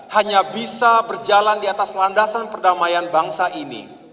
hanya bisa berjalan di atas landasan perdamaian bangsa ini